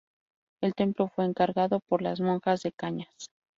El templo fue encargado por las monjas de Cañas.